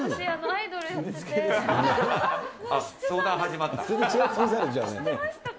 相談始まった。